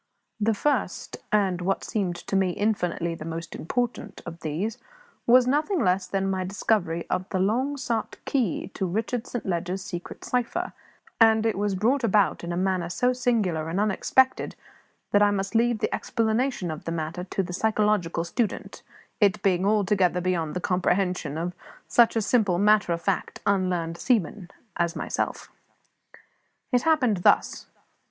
The first and what seemed to me infinitely the most important of these was nothing less than my discovery of the long sought key to Richard Saint Leger's secret cipher; and it was brought about in a manner so singular and unexpected that I must leave the explanation of the matter to the psychological student, it being altogether beyond the comprehension of such a simple, matter of fact, unlearned seaman as myself. It happened thus.